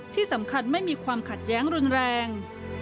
ที่สำคัญไม่มีความขัดแย้งรุนแรง